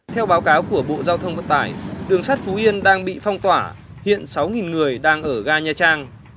theo báo cáo của bộ giao thông vận tải đường sắt phú yên đang bị phong tỏa hiện sáu người đang ở ga nha trang